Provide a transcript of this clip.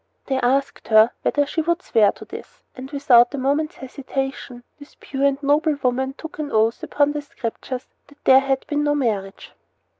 They asked her whether she would swear to this; and, without a moment's hesitation, this pure and noble woman took an oath upon the Scriptures that there had been no marriage.